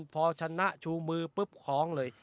พอชนะชูมือปุ๊บของเลย